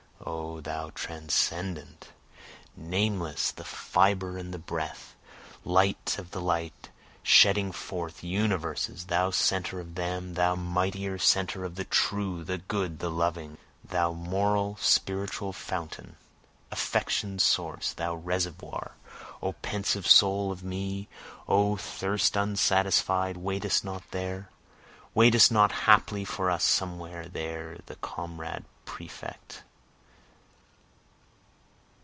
O Thou transcendent, Nameless, the fibre and the breath, Light of the light, shedding forth universes, thou centre of them, Thou mightier centre of the true, the good, the loving, Thou moral, spiritual fountain affection's source thou reservoir, (O pensive soul of me O thirst unsatisfied waitest not there? Waitest not haply for us somewhere there the Comrade perfect?)